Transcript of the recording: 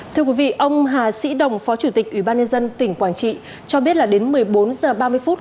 thưa quý vị ông hà sĩ đồng phó chủ tịch ủy ban nhân dân tỉnh quảng trị cho biết là đến một mươi bốn h ba mươi phút